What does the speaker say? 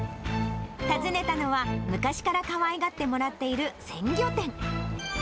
訪ねたのは、昔からかわいがってもらっている鮮魚店。